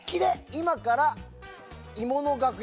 今から。